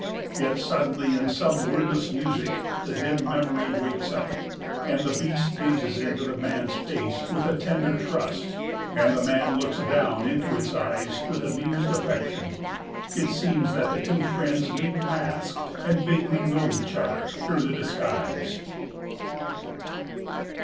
Yet suddenly in some wordless music the dim memory wakes up and the beast gazes into the man's face with a tender trust, and the man looks down into its eyes with amused affection. It seems that the two friends meet masked and vaguely know each other through the disguise.